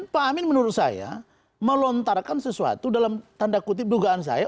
pak amin menurut saya melontarkan sesuatu dalam tanda kutip dugaan saya